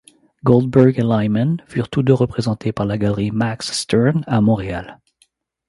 Goldberg et Lyman furent tous deux représentés par la galerie Max Stern à Montréal.